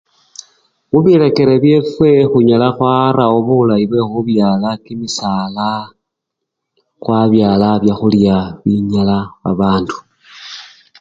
Mubirekere byefwe khunayala khwarawo bulayi bwekhubyala kimisala khwabyala byakhulya binyala abandu.